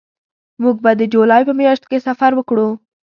موږ به د جولای په میاشت کې سفر وکړو